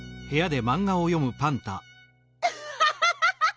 アハハハハ！